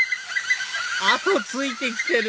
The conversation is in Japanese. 後ついてきてる！